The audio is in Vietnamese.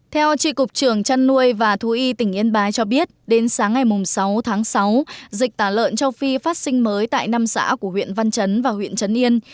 theo trị cục trưởng chăn nuôi và thú y tỉnh yên bái cho biết đến sáng ngày sáu tháng sáu dịch tả lợn châu phi phát sinh mới tại năm xã của huyện văn chấn và huyện trấn yên